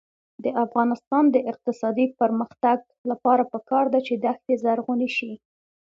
د افغانستان د اقتصادي پرمختګ لپاره پکار ده چې دښتي زرغونې شي.